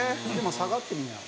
下がってみなよ